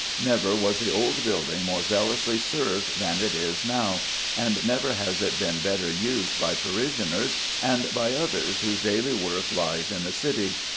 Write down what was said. Never was the old building more zealously served than it is now, and never has it been better used by parishioners and by others whose daily work lies in the City.